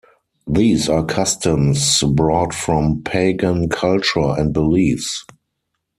These are customs brought from pagan culture and beliefs.